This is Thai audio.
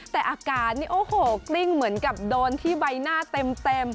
แต่อาการนี่โอ้โหกลิ้งเหมือนกับโดนที่ใบหน้าเต็ม